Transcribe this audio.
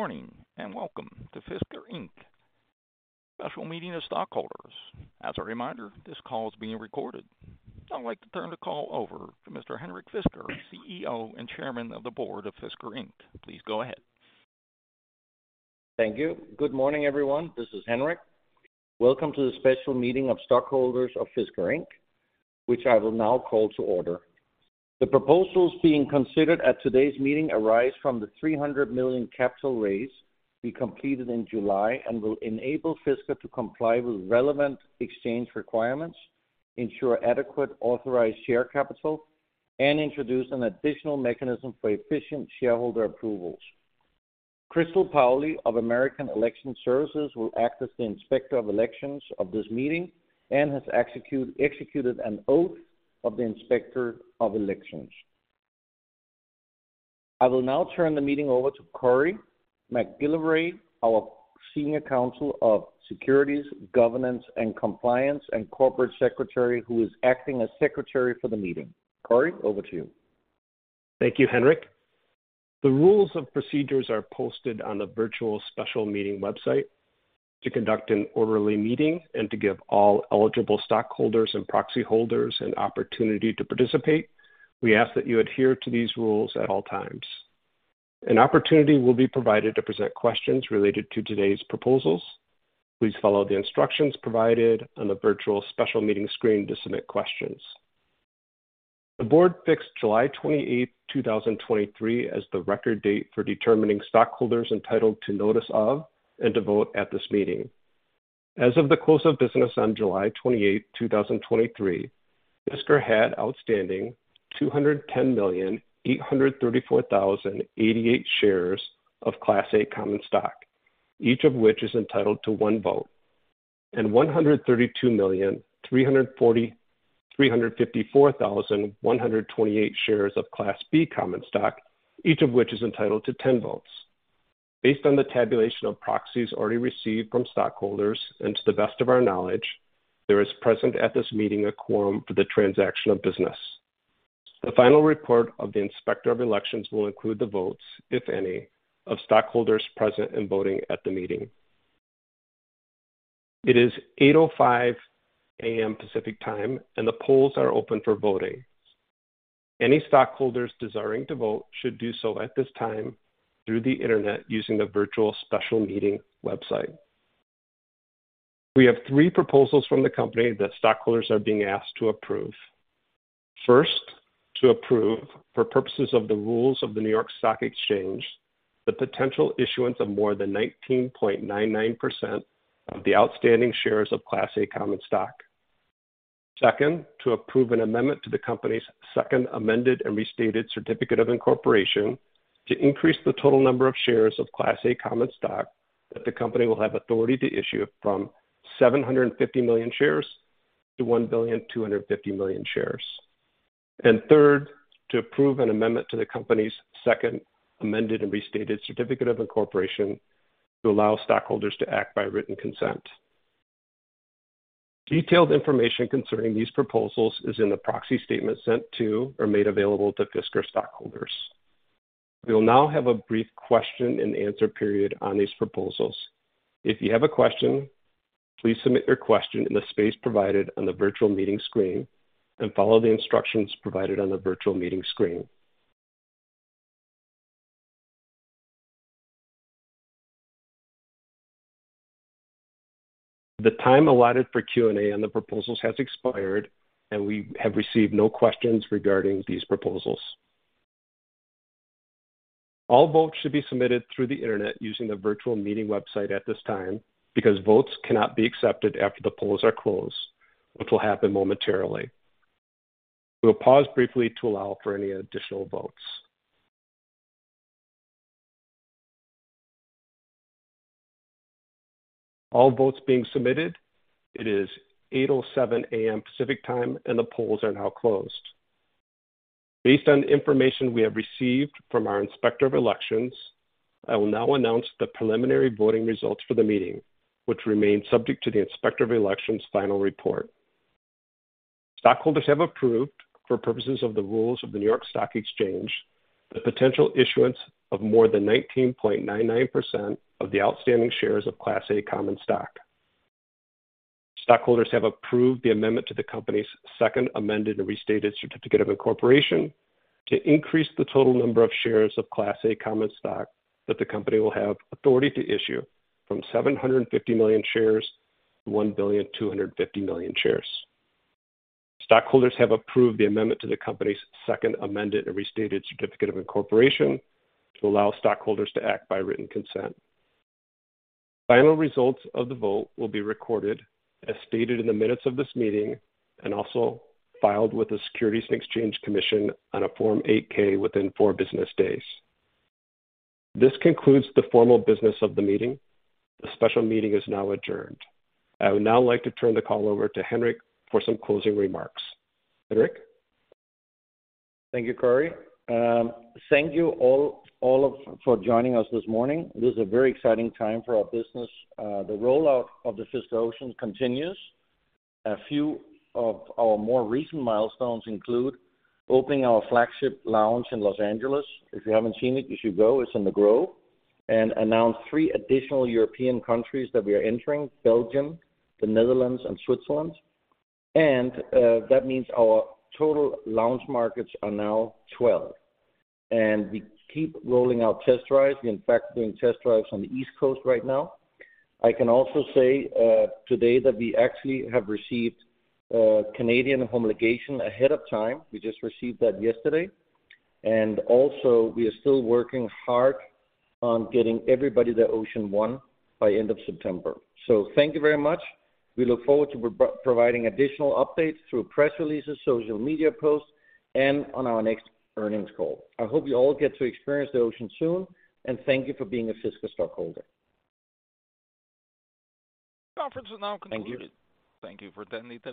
Good morning, and welcome to Fisker Inc. Special Meeting of Stockholders. As a reminder, this call is being recorded. I'd like to turn the call over to Mr. Henrik Fisker, CEO and Chairman of the Board of Fisker Inc. Please go ahead. Thank you. Good morning, everyone. This is Henrik. Welcome to the special meeting of stockholders of Fisker Inc., which I will now call to order. The proposals being considered at today's meeting arise from the $300 million capital raise we completed in July and will enable Fisker to comply with relevant exchange requirements, ensure adequate authorized share capital, and introduce an additional mechanism for efficient shareholder approvals. Crystal Pauli of American Election Services will act as the Inspector of Elections of this meeting and has executed an oath of the Inspector of Elections. I will now turn the meeting over to Corey MacGillivray, our Senior Counsel of Securities, Governance, and Compliance, and Corporate Secretary, who is acting as Secretary for the meeting. Corey, over to you. Thank you, Henrik. The rules of procedures are posted on the virtual special meeting website. To conduct an orderly meeting and to give all eligible stockholders and proxy holders an opportunity to participate, we ask that you adhere to these rules at all times. An opportunity will be provided to present questions related to today's proposals. Please follow the instructions provided on the virtual special meeting screen to submit questions. The board fixed July 28th, 2023, as the record date for determining stockholders entitled to notice of and to vote at this meeting. As of the close of business on July 28, 2023, Fisker had outstanding 210,834,088 shares of Class A common stock, each of which is entitled to one vote, and 132,354,128 shares of Class B common stock, each of which is entitled to ten votes. Based on the tabulation of proxies already received from stockholders, and to the best of our knowledge, there is present at this meeting a quorum for the transaction of business. The final report of the Inspector of Elections will include the votes, if any, of stockholders present and voting at the meeting. It is 8:05 A.M. Pacific Time, and the polls are open for voting. Any stockholders desiring to vote should do so at this time through the Internet, using the virtual special meeting website. We have three proposals from the company that stockholders are being asked to approve. First, to approve, for purposes of the rules of the New York Stock Exchange, the potential issuance of more than 19.99% of the outstanding shares of Class A common stock. Second, to approve an amendment to the company's Second Amended and Restated Certificate of Incorporation to increase the total number of shares of Class A common stock that the company will have authority to issue from 750 million shares to 1,250 million shares. And third, to approve an amendment to the company's Second Amended and Restated Certificate of Incorporation to allow stockholders to act by written consent. Detailed information concerning these proposals is in the proxy statement sent to or made available to Fisker stockholders. We will now have a brief question and answer period on these proposals. If you have a question, please submit your question in the space provided on the virtual meeting screen and follow the instructions provided on the virtual meeting screen. The time allotted for Q&A on the proposals has expired, and we have received no questions regarding these proposals. All votes should be submitted through the Internet using the virtual meeting website at this time, because votes cannot be accepted after the polls are closed, which will happen momentarily. We'll pause briefly to allow for any additional votes. All votes being submitted. It is 8:07 A.M. Pacific Time, and the polls are now closed. Based on information we have received from our Inspector of Elections, I will now announce the preliminary voting results for the meeting, which remain subject to the Inspector of Elections' final report. Stockholders have approved, for purposes of the rules of the New York Stock Exchange, the potential issuance of more than 19.99% of the outstanding shares of Class A common stock. Stockholders have approved the amendment to the company's Second Amended and Restated Certificate of Incorporation to increase the total number of shares of Class A common stock that the company will have authority to issue from 750 million shares to 1.25 billion shares. Stockholders have approved the amendment to the company's Second Amended and Restated Certificate of Incorporation to allow stockholders to act by written consent. Final results of the vote will be recorded as stated in the minutes of this meeting and also filed with the Securities and Exchange Commission on a Form 8-K within four business days. This concludes the formal business of the meeting. The special meeting is now adjourned. I would now like to turn the call over to Henrik for some closing remarks. Henrik? Thank you, Corey. Thank you all for joining us this morning. This is a very exciting time for our business. The rollout of the Fisker Ocean continues. A few of our more recent milestones include opening our flagship lounge in Los Angeles. If you haven't seen it, you should go. It's in The Grove. And announced three additional European countries that we are entering, Belgium, the Netherlands, and Switzerland. And that means our total lounge markets are now 12, and we keep rolling out test drives. We're, in fact, doing test drives on the East Coast right now. I can also say today that we actually have received Canadian homologation ahead of time. We just received that yesterday. And also, we are still working hard on getting everybody the Ocean One by end of September. So thank you very much. We look forward to providing additional updates through press releases, social media posts, and on our next earnings call. I hope you all get to experience the Ocean soon, and thank you for being a Fisker stockholder. Conference is now concluded. Thank you. Thank you for attending today.